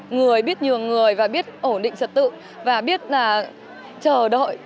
người biết nhường người và biết ổn định trật tự và biết là chờ đợi